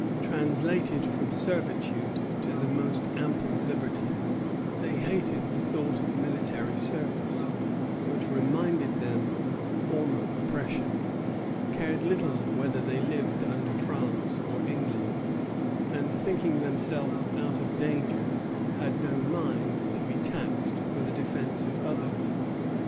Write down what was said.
Translated from servitude to the most ample liberty, they hated the thought of military service, which reminded them of former oppression, cared little whether they lived under France or England, and, thinking themselves out of danger, had no mind to be taxed for the defence of others.